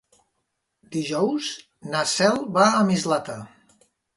Dijous na Cel va a Mislata.